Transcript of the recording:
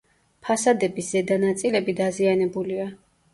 ფასადების ზედა ნაწილები დაზიანებულია.